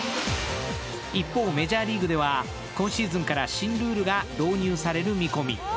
一方、メジャーリーグでは今シーズンから新ルールが導入される見込み。